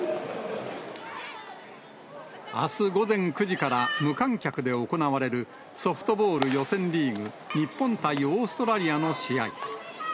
あす午前９時から無観客で行われるソフトボール予選リーグ、日本対オーストラリアの試合。